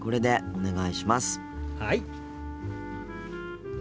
はい。